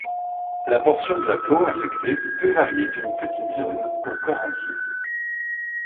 La portion de la peau affectée peut varier d'une petite zone au corps entier.